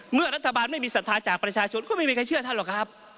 เมื่อรัฐบาลไม่มีศรัทธาจากประชาชนก็ไม่มีใครเชื่อท่านหรอกครับ